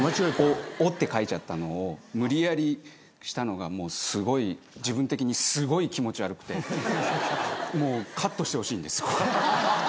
「お」って書いちゃったのを無理やりしたのがもうすごい自分的にすごい気持ち悪くてカットしてほしいんです。